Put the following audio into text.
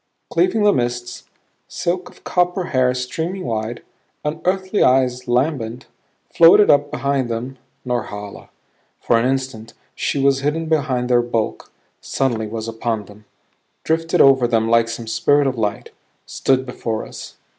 Cleaving the mists, silk of copper hair streaming wide, unearthly eyes lambent, floated up behind them Norhala. For an instant she was hidden behind their bulk; suddenly was upon them; drifted over them like some spirit of light; stood before us.